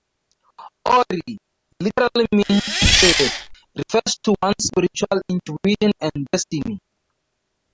Ori, literally meaning "head," refers to one's spiritual intuition and destiny.